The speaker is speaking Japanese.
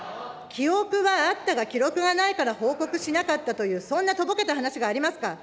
記憶はあったが記録がないから報告しなかったという、そんなとぼけた話がありますか。